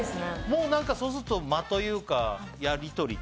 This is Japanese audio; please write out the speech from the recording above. もう何かそうすると間というか。